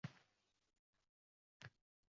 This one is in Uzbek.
O’tgan kuning qursin, Abdullo bobom!